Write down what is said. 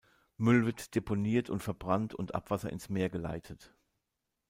Müll wird deponiert und verbrannt und Abwasser ins Meer geleitet.